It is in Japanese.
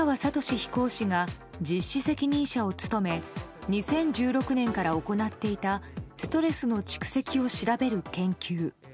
飛行士が実施責任者を務め２０１６年から行っていたストレスの蓄積を調べる研究。